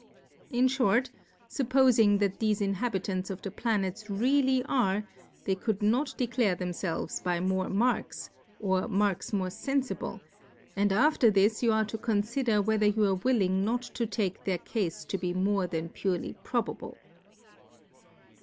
In fliort, fuppofing that thefc Inhabitants of the Planets really are, they could not declare them felves by more Marks, or Marks more fenfible ; and after this you are to con fider whether you are willing not to take their Cafe to be more than purely probable.